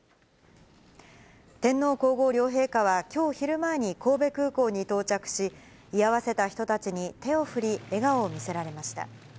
天皇皇后両陛下は、きょう昼前に神戸空港に到着し、居合わせた人たちに手を振り、笑顔を見せられました。